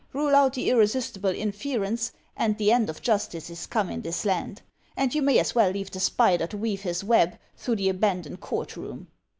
Rule out the irresistible inference, and the end of justice is come in this land; and you may as well leave the spider to weave his web through the abandoned court room."